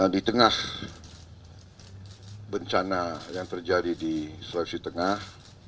di tengah bencana yang terjadi di sulawesi tengah